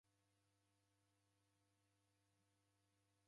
Kitasa chalaghaya